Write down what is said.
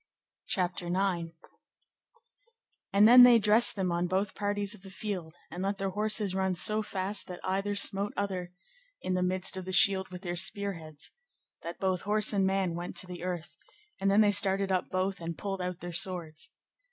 CHAPTER IX. Of the battle between King Arthur and Accolon. And then they dressed them on both parties of the field, and let their horses run so fast that either smote other in the midst of the shield with their spear heads, that both horse and man went to the earth; and then they started up both, and pulled out their swords.